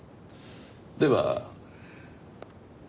では。